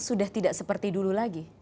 sudah tidak seperti dulu lagi